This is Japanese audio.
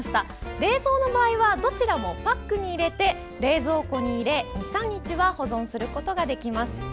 冷蔵の場合はどちらもパックに入れて冷蔵庫に入れて２３日は保存することができます。